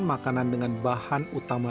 makanan dengan bahan utama